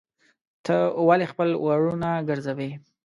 ته ولي خپل وروڼه ګرځوې.